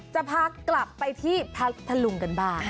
จะพากลับไปที่พัทธลุงกันบ้าง